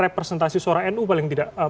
representasi suara nu paling tidak